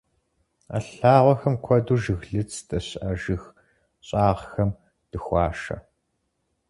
А лъагъуэхэм куэду жыглыц здэщыӏэ жыг щӀагъхэм дыхуашэ.